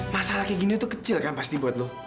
masalah kayak gini tuh kecil kan pasti buat lo